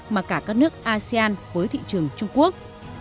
mà cả các nước asean với thị trường trung quốc